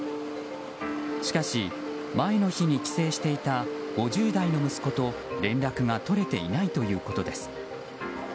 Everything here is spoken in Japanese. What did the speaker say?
しかし、前の日に帰省していた５０代の息子と連絡が取れていないということです。